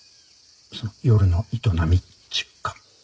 その夜の営みっちゅうか。